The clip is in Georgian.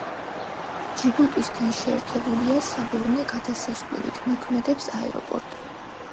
ჯიბუტისთან შეერთებულია საბორნე გადასასვლელით, მოქმედებს აეროპორტი.